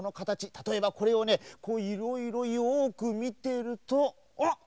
たとえばこれをねいろいろよくみてるとあっ！